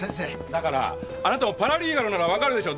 だからあなたもパラリーガルなら分かるでしょ！